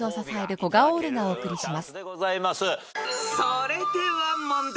［それでは問題。